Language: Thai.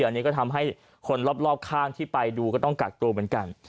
อันนี้ก็ทำให้คนรอบข้างที่ไปดูก็ต้องกักตัวเหมือนกัน